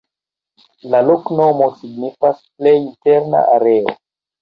La loknomo signifas: "plej interna areo".